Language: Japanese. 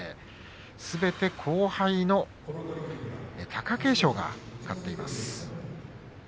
すべて後輩の貴景勝が勝っています。